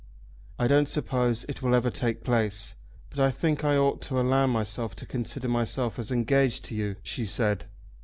"I don't suppose it will ever take place, but I think I ought to allow myself to consider myself as engaged to you," she said.